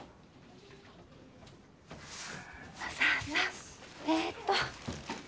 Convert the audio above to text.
さあさあえっと。